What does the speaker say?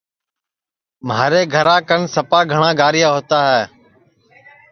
مھارے گھرا کن سپا گھٹؔا گاریا ہؤتا ہے